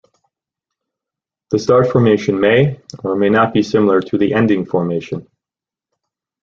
The start formation may, or may not be similar to the ending formation.